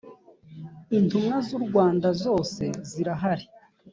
intumwa z’ u rwanda zose zirahari.